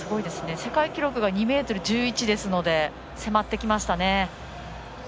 世界記録が２ｍ１１ですので迫ってきましたね。